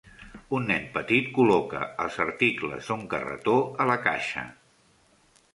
Un nen petit col·loca els articles d'un carretó a la caixa.